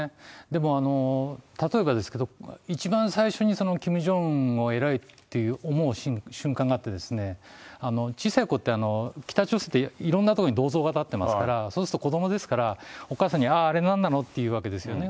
でも、例えばですけど、一番最初にキム・ジョンウンを偉いって思う瞬間があって、小さい子って、北朝鮮っていろんな所に銅像が建ってますから、そうすると子どもですから、お母さんに、あれなんなのって言うわけですよね。